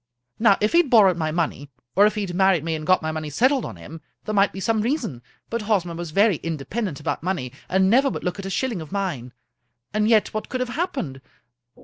Now, if he had borrowed my money, or if he had married me and got my money settled on him, there might be some reason ; but Hosmer was very independent about money, and never would look at a shilling of mine. And yet what could have happened?